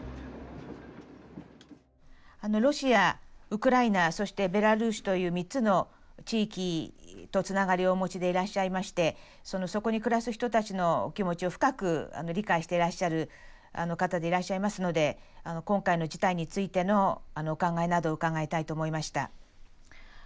ロシアウクライナそしてベラルーシという３つの地域とつながりをお持ちでいらっしゃいましてそこに暮らす人たちの気持ちを深く理解してらっしゃる方でいらっしゃいますので今回の事態についてのお考えなどを伺いたいと思いました。